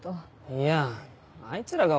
いやあいつらが悪いよ。